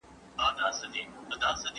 دا د مينې او عواطفو قوم دی.